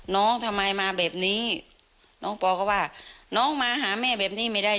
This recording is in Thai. น้องทำไมมาแบบนี้น้องปอก็ว่าน้องมาหาแม่แบบนี้ไม่ได้